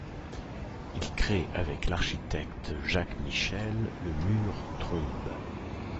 Il crée avec l'architecte Jacques Michel le Mur Trombe.